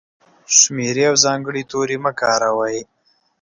شمېرې او ځانګړي توري مه کاروئ!.